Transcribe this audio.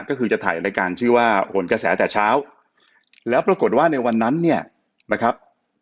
ก็คือจะถ่ายรายการชื่อว่าหนกระแสแต่เช้าแล้วปรากฏว่าในวันนั้นเนี่ยนะครับ